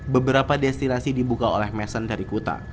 beberapa destinasi dibuka oleh mason dari kuta